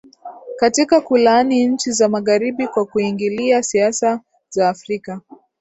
katika kulaani nchi za magharibi kwa kuingilia siasa za afrika